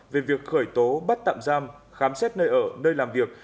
về việc khởi tố bắt tạm giam khám xét nơi ở nơi làm việc